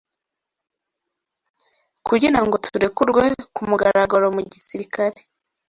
Kugira ngo turekurwe ku mugaragaro mu gisirikare